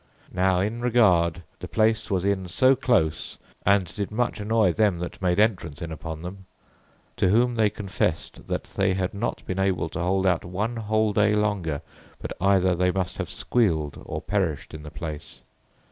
"Now in regard the place was in so close... and did much annoy them that made entrance in upon them, to whom they confessed that they had not been able to hold out one whole day longer, but either they must have squeeled, or perished in the place.